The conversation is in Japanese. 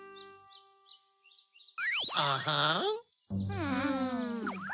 うん。